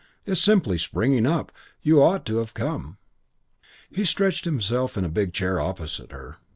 It's simply springing up. You ought to have come." He stretched himself in a big chair opposite her.